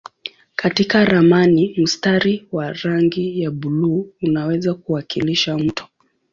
Katika ramani mstari wa rangi ya buluu unaweza kuwakilisha mto.